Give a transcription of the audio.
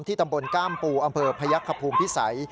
ที่ตำบลก้ามปู่อำเภอพยกภูมิภิสัย